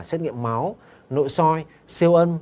xét nghiệm máu nội soi siêu ân